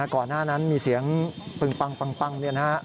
ก่อนหน้านั้นมีเสียงปึงปัง